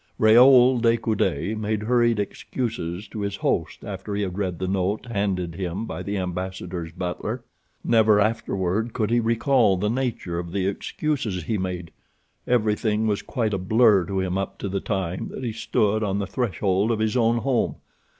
Raoul de Coude made hurried excuses to his host after he had read the note handed him by the ambassador's butler. Never afterward could he recall the nature of the excuses he made. Everything was quite a blur to him up to the time that he stood on the threshold of his own home.